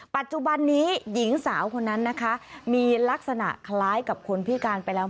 ปัจจุบันนี้หญิงสาวคนนั้นนะคะมีลักษณะคล้ายกับคนพิการไปแล้ว